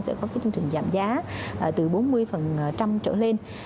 sẽ có chương trình giảm giá từ bốn mươi phần trăm trở lên